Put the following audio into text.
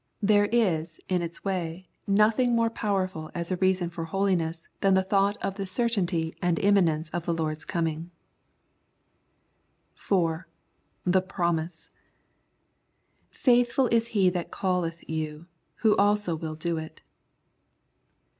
There is, in its way, nothing more powerful as a reason for holiness than the thought of the certainty and imminence of the Lord's coming. 4. The Promise. " Faithful is He that calleth you, Who also will do it."